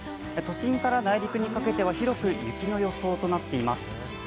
都心から内陸にかけては広く、雪の予想になっています。